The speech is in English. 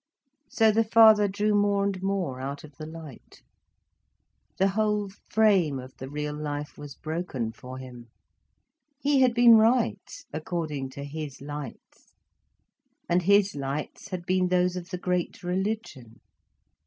So the father drew more and more out of the light. The whole frame of the real life was broken for him. He had been right according to his lights. And his lights had been those of the great religion.